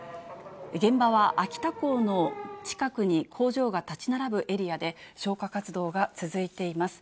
現場は秋田港の近くに工場が建ち並ぶエリアで、消火活動が続いています。